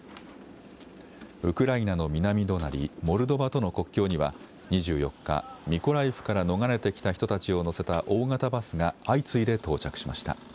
ウクライナの南隣モルドバとの国境には２４日、ミコライフから逃れてきた人たちを乗せた大型バスが相次いで到着しました。